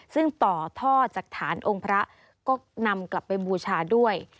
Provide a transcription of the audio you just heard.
ซึ่งต่อท่อจากฐานองค์พระก็นำกลับไปบูชาด้วย